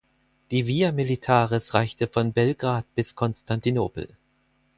Die Via Militaris reichte von Belgrad bis Konstantinopel.